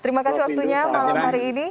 terima kasih waktunya malam hari ini